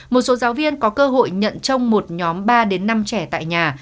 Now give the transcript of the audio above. một số giáo viên có cơ hội nhận trông một nhóm ba năm trẻ tại nhà